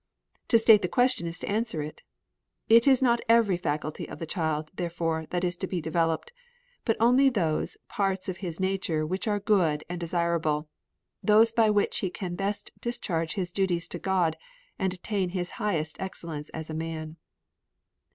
To state the question is to answer it. It is not every faculty of the child, therefore, that is to be developed, but only those parts of his nature which are good and desirable, those by which he can best discharge his duties to God and attain his highest excellence as a man.